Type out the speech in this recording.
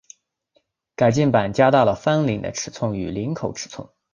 改进版加大了翻领的尺寸与领口尺寸。